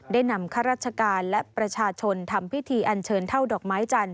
ได้นำข้าราชการและประชาชนทำพิธีอันเชิญเท่าดอกไม้จันท